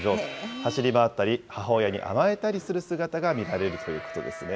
走り回ったり、母親に甘えたりする姿が見られるということですね。